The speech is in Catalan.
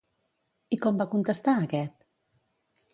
I com va contestar aquest?